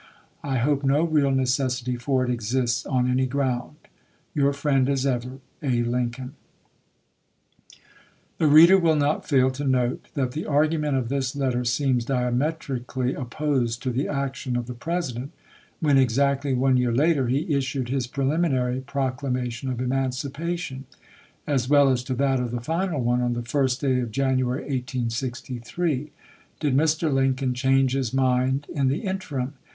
I hope no real necessity for it exists c^e'cdlngs'of on any ground. .. Your friend, as ever, ^'^'.' ation, 1882," A. Lincoln. pp. 40, «. The reader will not fail to note that the argument of this letter seems diametrically opposed to the action of the President, when, exactly one year later, he issued his preliminary Proclamation of Emancipation, as well as to that of the final one, on the first day of January, 1863. Did Mr. Lincoln change his mind in the interim?